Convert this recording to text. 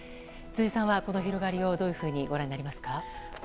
辻さんは、この広がりをどういうふうにご覧になりますか。